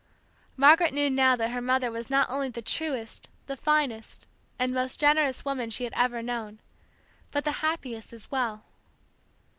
Margaret knew now that her mother was not only the truest, the finest, the most generous woman she had ever known, but the happiest as well.